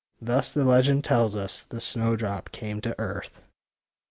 Thus, the legend tells us, the snowdrop came to earth.